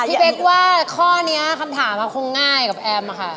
พี่เป๊กว่าข้อนี้คำถามคงง่ายกับแอมค่ะ